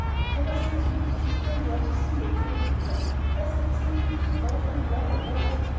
"Ever since you used to come there to see Lady Ulrica? Does it seem to you so awfully long ago?"